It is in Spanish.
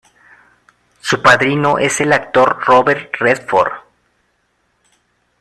Su padrino es el actor Robert Redford.